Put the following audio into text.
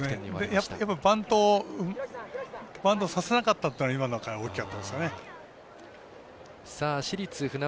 やっぱりバントさせなかったというのが今の回大きかったですよね。